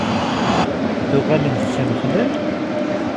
Tuɣalemt d timexlal?